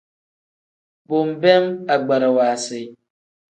Bo nbeem agbarawa si.